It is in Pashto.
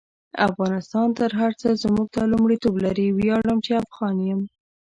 افغانستان تر هر سه مونږ ته لمړیتوب لري: ویاړم چی افغان يم